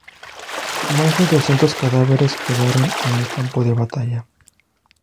Más de doscientos cadáveres quedaron en el campo de batalla.